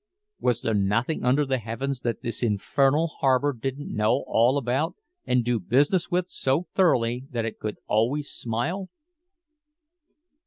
Was there nothing under the heavens that this infernal harbor didn't know all about, and "do business with" so thoroughly that it could always smile?